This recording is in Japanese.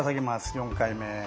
４回目。